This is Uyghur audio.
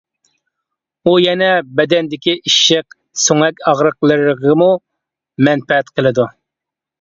ئۇ يەنە بەدەندىكى ئىششىق، سۆڭەك ئاغرىقلىرىغىمۇ مەنپەئەت قىلىدۇ.